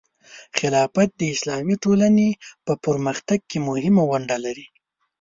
خلافت د اسلامي ټولنې په پرمختګ کې مهمه ونډه لري.